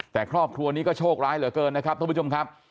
แต่ครอบครัวนี้ก็โชคร้ายเหลือเกินนะครับท่านผู้ชมครับ